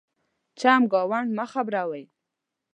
چمګاونډ مه خبرَوئ.